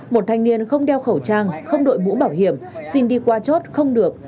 một thanh niên không đeo khẩu trang không đội mũ bảo hiểm xin đi qua chốt không được